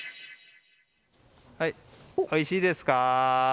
おいしいですか？